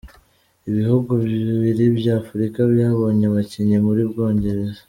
Ibihugu bibiri bya Afurika byabonye abakinnyi mu Bwongereza.